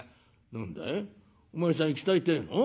「何だいお前さん行きたいってえの？